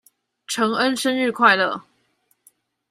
承恩生日快樂！